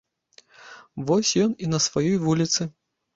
Вось ён і на сваёй вуліцы.